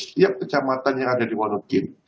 setiap kejamatan yang ada di wonogim